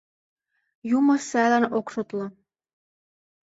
Юмо сайлан ок шотло.